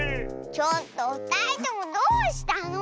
ちょっとふたりともどうしたの？